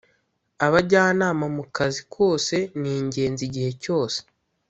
Abajyanama mukazi kose ningenzi igihe cyose